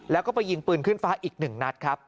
แล้วก็ไปยิงปืนขึ้นฟ้าอีก๑นัดครับ